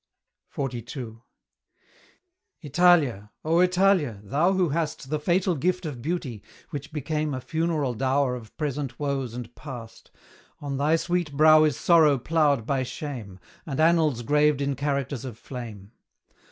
XLII. Italia! O Italia! thou who hast The fatal gift of beauty, which became A funeral dower of present woes and past, On thy sweet brow is sorrow ploughed by shame, And annals graved in characters of flame.